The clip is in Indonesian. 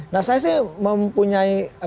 nah saya sih mempunyai